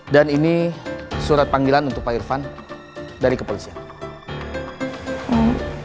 dan ini surat panggilan untuk pak irfan dari kepolisian